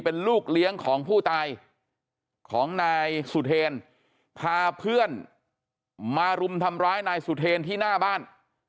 เป็นลูกเลี้ยงของผู้ตายของนายสุเทรนพาเพื่อนมารุมทำร้ายนายสุเทรนที่หน้าบ้าน